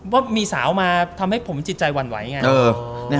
ว่ามีสาวมาทำให้ผมจิตใจหวั่นไหวไง